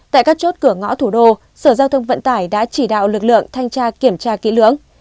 tại các chốt cửa ngõ thủ đô sở giao thông vận tải đã chỉ đạo lực lượng thanh tra kiểm tra kỹ lưỡng